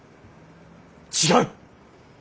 違う！